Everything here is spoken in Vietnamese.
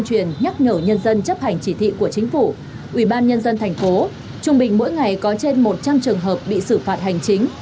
chấp hành chỉ thị của chính phủ ủy ban nhân dân thành phố trung bình mỗi ngày có trên một trăm linh trường hợp bị xử phạt hành chính